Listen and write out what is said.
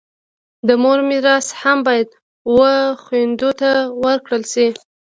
د مور میراث هم باید و خویندو ته ورکړل سي.